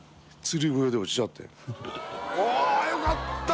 △よかった。